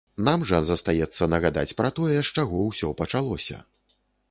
Нам жа застаецца нагадаць пра тое, з чаго ўсё пачалося.